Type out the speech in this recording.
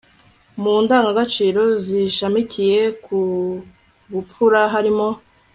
mu ndangagaciro zishamikiye ku bupfura harimo